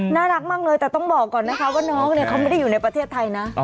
น่ารักมากเลยแต่ต้องบอกก่อนนะคะว่าน้องเนี่ยเขาไม่ได้อยู่ในประเทศไทยนะ